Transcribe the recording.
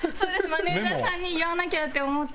マネージャーさんに言わなきゃって思って。